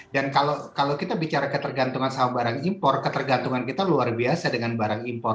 dan kalau kita bicara ketergantungan sama barang impor ketergantungan kita luar biasa dengan barang impor